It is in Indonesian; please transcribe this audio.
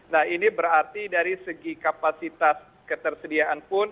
nah ini berarti dari segi kapasitas ketersediaan pun